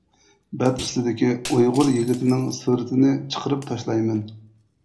بەت ئۈستىدىكى ئۇيغۇر يىگىتىنىڭ سۈرىتىنى چىقىرىپ تاشلايمەن.